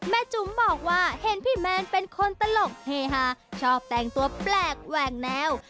จุ๋มบอกว่าเห็นพี่แมนเป็นคนตลกเฮฮาชอบแต่งตัวแปลกแหว่งแนว